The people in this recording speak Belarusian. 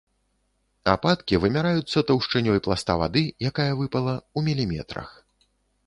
Ападкі вымяраюцца таўшчынёй пласта вады, якая выпала, у міліметрах.